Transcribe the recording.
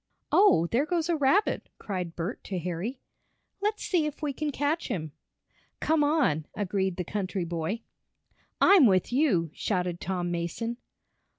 "Oh, there goes a rabbit!" cried Bert to Harry. "Let's see if we can catch him!" "Come on!" agreed the country boy. "I'm with you!" shouted Tom Mason.